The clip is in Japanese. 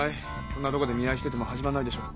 こんなとこで見合いしてても始まらないでしょ。